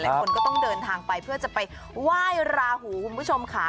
คนก็ต้องเดินทางไปเพื่อจะไปไหว้ราหูคุณผู้ชมค่ะ